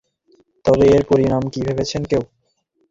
তবে এর পরিণাম কি ভেবেছেন কেউ?